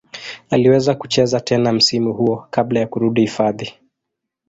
Aliweza kucheza tena msimu huo kabla ya kurudi hifadhi.